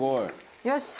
よし。